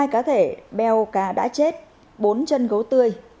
hai cá thể beo cá đã chết bốn chân gấu tươi